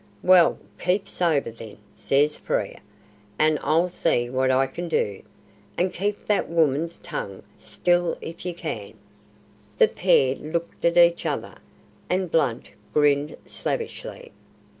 "Well, keep sober, then," says Frere, "and I'll see what I can do. And keep that woman's tongue still if you can." The pair looked at each other, and Blunt grinned slavishly.